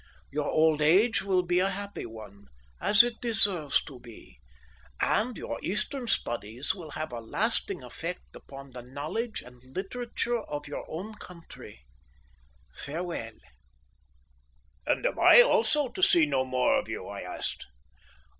Your old age will be a happy one, as it deserves to be, and your Eastern studies will have a lasting effect upon the knowledge and literature of your own country. Farewell!" "And am I also to see no more of you?" I asked.